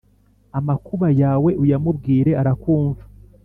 Amakuba yawe uyamubwire arakumva